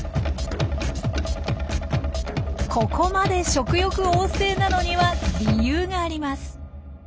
ここまで食欲旺盛なのには理由があります。